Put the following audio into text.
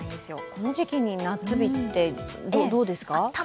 この時期に夏日ってどうですか？